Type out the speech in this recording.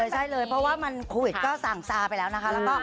ใช่เลยเพราะว่ามันโควิดก็สั่งซาไปแล้วนะคะ